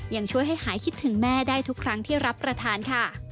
ยังช่วยให้หายคิดถึงแม่ได้ทุกครั้งที่รับประทานค่ะ